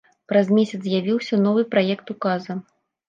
Праз месяц з'явіўся новы праект указа.